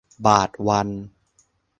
บาทวัน